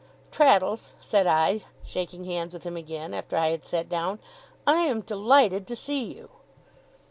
'Traddles,' said I, shaking hands with him again, after I had sat down, 'I am delighted to see you.